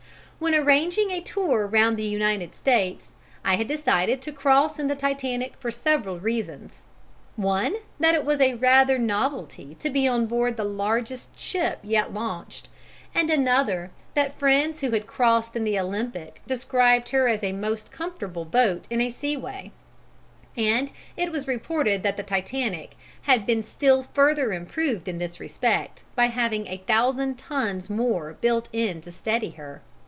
When arranging a tour round the United States, I had decided to cross in the Titanic for several reasons one, that it was rather a novelty to be on board the largest ship yet launched, and another that friends who had crossed in the Olympic described her as a most comfortable boat in a seaway, and it was reported that the Titanic had been still further improved in this respect by having a thousand tons more built in to steady her.